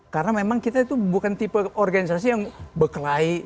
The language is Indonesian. karena memang kita itu bukan tipe organisasi yang bekelahi